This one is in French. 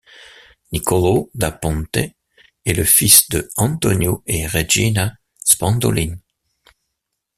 Nicolò da Ponte est le fils de Antonio et Regina Spandolin.